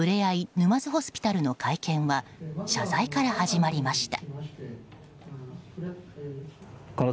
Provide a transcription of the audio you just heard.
沼津ホスピタルの会見は謝罪から始まりました。